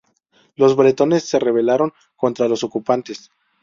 Los bretones se rebelaron contra los ocupantes.